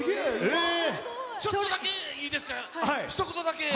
ちょっとだけいいですか、ひと言だけ。